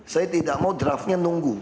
saya tidak mau draftnya nunggu